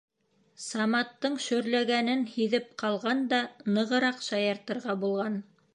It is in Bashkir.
Саматтың шөрләгәнен һиҙеп ҡалған да нығыраҡ шаяртырға булған.